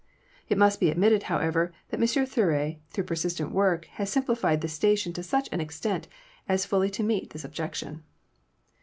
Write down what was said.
It must be admitted, however, that M. Thury, through persistent work, has simplified the station to such an extent as fully to meet this objection.